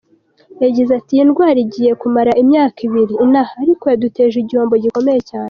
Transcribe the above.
Yagize ati“Iyi ndwara igiye kumara imyaka ibiri inaha, ariko yaduteje igihombo gikomeye cyane.